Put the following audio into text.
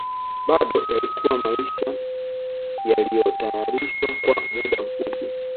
Bado yalikuwa maisha yaliyotayarishwa kwa muda mfupi